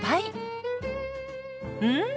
うん！